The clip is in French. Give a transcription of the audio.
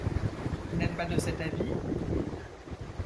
Vous n’êtes pas de cet avis?